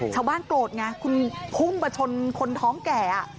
ชาวบ้านโกรธไงคุณพุ่งมาชนคนท้องแก่